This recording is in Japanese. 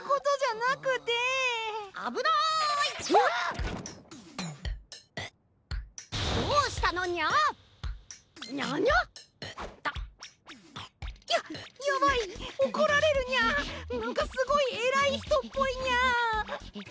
なんかすごいえらいひとっぽいニャ。